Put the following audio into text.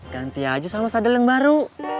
ganti aja sama sadel yang baru